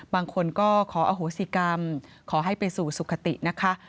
บางคนก็ขออโหสิกรรมขอให้ไปสู่สุขตินะคะ